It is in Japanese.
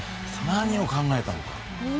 何を考えたのか。